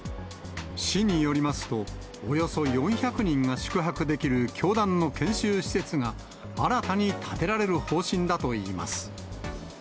市によりますと、およそ４００人が宿泊できる教団の研修施設が、新たに建てられる方針だといいます。